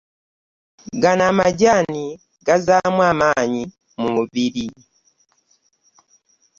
Gano amajaani gazaamu amanyi mu mubiri.